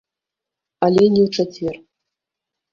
Але не ў чацвер.